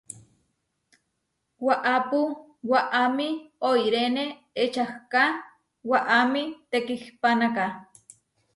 Waʼápu waʼámi oiréne ečahká waʼámi tekihpánaka.